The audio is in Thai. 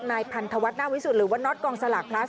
นายพันธวัฒนาวิสุทธิหรือว่าน็อตกองสลากพลัส